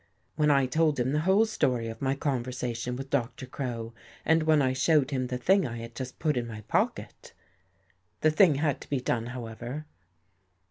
When I told him the whole story of my conversation with Doctor Crow and when I showed him the thing I had just put in my pocket? The thing had to be done, however.